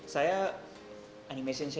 saya animasinya jelek